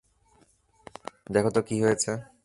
দেখোতো কি হয়েছে!